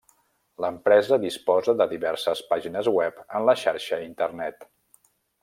L'empresa disposa de diverses pàgines web en la xarxa internet.